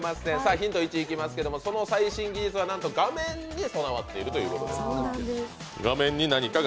ヒント１いきますけど、その最新技術は画面に備わっているということです。